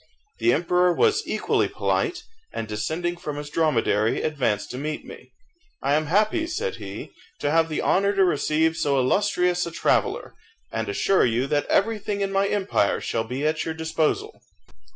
The emperor was equally polite, and descending from his dromedary, advanced to meet me. "I am happy," said he, "to have the honour to receive so illustrious a traveller, and assure you that everything in my empire shall be at your disposal."